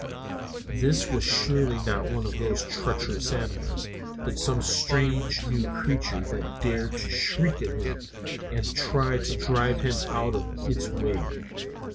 This was surely not one of those treacherous animals, but some strange new creature that dared to shriek at him and try to drive him out of its way.